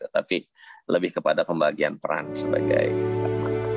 tapi lebih kepada pembagian peran sebagai teman